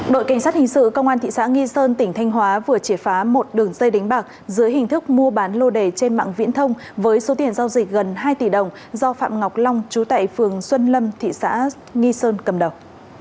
đội cảnh sát hình sự công an thị xã nghi sơn tỉnh thanh hóa vừa triệt phá một đường dây đánh bạc dưới hình thức mua bán lô đề trên mạng viễn thông với số tiền giao dịch gần hai tỷ đồng do phạm ngọc long trú tại phường xuân lâm thị xã nghi sơn cầm đầu